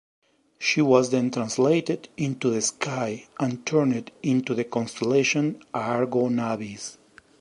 She was then translated into the sky and turned into the constellation Argo Navis.